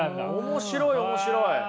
面白い面白い。